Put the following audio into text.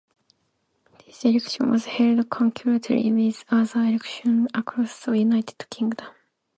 This election was held concurrently with other elections across the United Kingdom.